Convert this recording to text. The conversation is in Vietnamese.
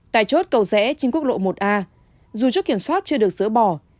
tại chốt cầu rẽ trên quốc lộ một a dù chốt kiểm soát chưa được dỡ bỏ